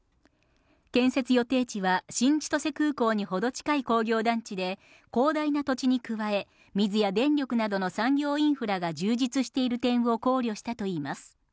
建設予定地は新千歳空港に程近い工業団地で、広大な土地に加え、水や電力などの産業インフラが充実している点を考慮したといいます。